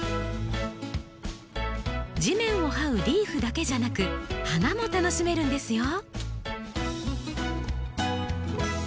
地面をはうリーフだけじゃなく花も楽しめるんですよ。